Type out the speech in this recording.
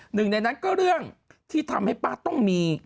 หนึ่งในนั้นก็เรื่องที่ทำให้ป้าต้องมี